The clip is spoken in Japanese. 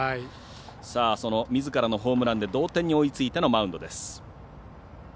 みずからのホームランで同点に追いついてのマウンドです。